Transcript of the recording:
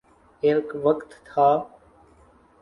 ایک وقت تھا۔